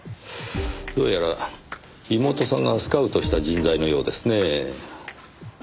どうやら妹さんがスカウトした人材のようですねぇ。